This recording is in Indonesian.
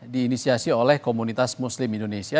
diinisiasi oleh komunitas muslim indonesia